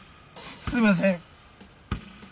すいません。